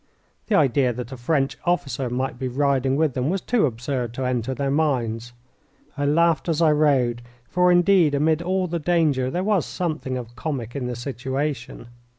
The idea that a French officer might be riding with them was too absurd to enter their minds. I laughed as I rode, for, indeed, amid all the danger, there was something of comic in the situation.